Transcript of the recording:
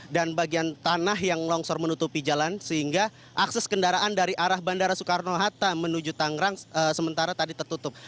dan bagian tanah yang longsor menutupi jalan sehingga akses kendaraan dari arah bandara soekarno hatta menuju tangrang sementara tadi tertutup